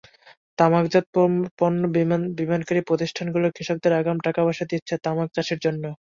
তামাকজাত পণ্য বিপণনকারী প্রতিষ্ঠানগুলো কৃষকদের আগাম টাকাপয়সা দিচ্ছে তামাক চাষের জন্য।